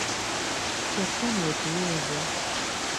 Kya ssanyu okuweebwa.